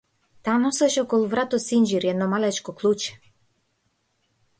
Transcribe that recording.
Таа носеше околу вратот синџир и едно мало клуче.